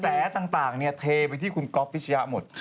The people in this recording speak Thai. กระแสต่างเนี่ยเทไปที่คุณก๊อฟฟิชยะหมด